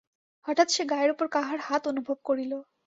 হঠাৎ সে গায়ের উপর কাহার হাত অনুভব করিল।